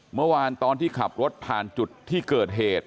เมื่อวานตอนที่ขับรถผ่านจุดที่เกิดเหตุ